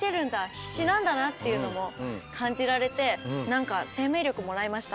必死なんだなっていうのも感じられて何か生命力もらいました。